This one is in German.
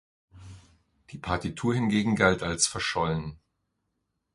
Die Partitur hingegen galt als verschollen.